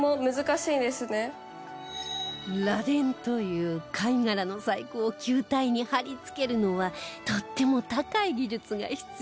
螺鈿という貝殻の細工を球体に貼り付けるのはとっても高い技術が必要